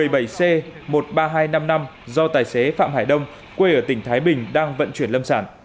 tài xế một mươi ba nghìn hai trăm năm mươi năm do tài xế phạm hải đông quê ở tỉnh thái bình đang vận chuyển lâm sản